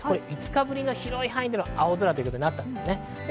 ５日ぶりの広い範囲での青空となりました。